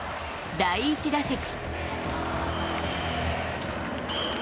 第１打席。